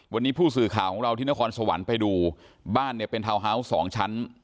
วันนี้ผู้สื่อข่าวของเราที่นครสวรรค์ไปดูบ้านเนี่ยเป็นทาวน์ฮาวส์สองชั้น